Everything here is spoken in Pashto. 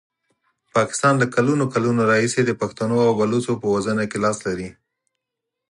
پاکستان له کلونو کلونو راهیسي د پښتنو او بلوڅو په وژنه کې لاس لري.